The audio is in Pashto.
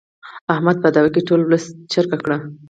احمد په دعوه کې ټول ولس چرګه کړ.